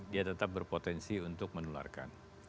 dia tetap berpotensi untuk menularkan